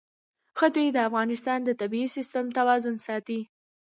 ښتې د افغانستان د طبعي سیسټم توازن ساتي.